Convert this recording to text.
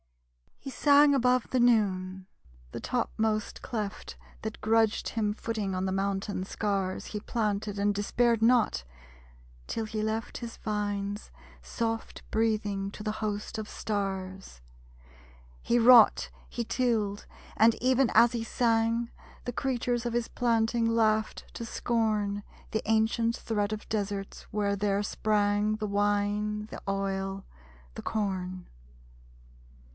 He sang above the noon. The topmost cleft That grudged him footing on the mountain scars He planted and despaired not; till he left His vines soft breathing to the host of stars. He wrought, he tilled; and even as he sang, The creatures of his planting laughed to scorn The ancient threat of deserts where there sprang The wine, the oil, the corn!